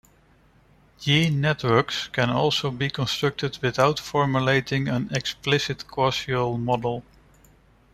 Gene networks can also be constructed without formulating an explicit causal model.